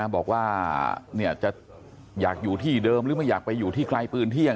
บอกว่าจะอยากอยู่ที่เดิมหรือไม่อยากไปอยู่ที่ไกลปืนเที่ยง